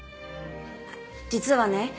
実はね